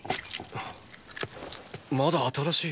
まだ新しい！